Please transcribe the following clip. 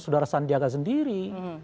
saudara sandi arief sendiri